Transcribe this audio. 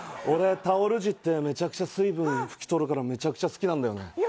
俺タオル地ってめちゃくちゃ水分拭き取るからめちゃくちゃ好きなんだよね。